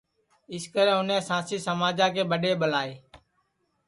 سکرے اُنیں سانسی سماجا کے ٻڈؔے ٻلائے